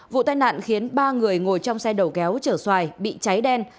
vụ tai nạn khiến ba người ngồi trong xe đầu kéo chở xoài bị cháy đen